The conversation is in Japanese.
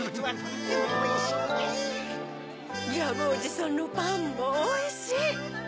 ジャムおじさんのパンもおいしい！